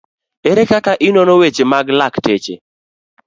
Ere kaka inono weche mag lakteche